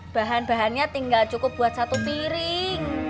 bahan bahannya tinggal cukup buat satu piring